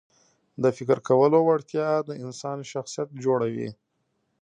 د فکر کولو وړتیا د انسان شخصیت جوړوي.